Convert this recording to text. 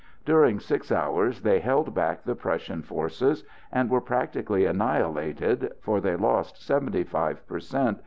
During six hours they held back the Prussian forces, and were practically annihilated, for they lost seventy five per cent.